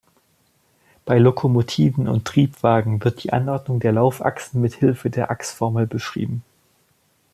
Bei Lokomotiven und Triebwagen wird die Anordnung der Laufachsen mit Hilfe der Achsformel beschrieben.